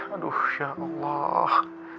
aduh ya allah